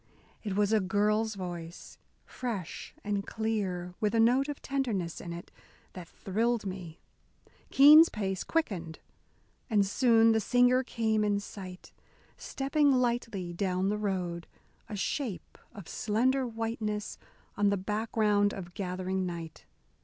It was a girl's voice, fresh and clear, with a note of tenderness in it that thrilled me. Keene's pace quickened. And soon the singer came in sight, stepping lightly down the road, a shape of slender whiteness on the background of gathering night.